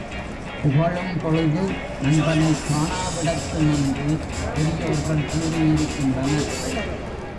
புகழும் பொழுது, நண்பனைக் காணாவிடத்தும் என்று பெரியோர்கள் கூறியிருக்கின்றனர்.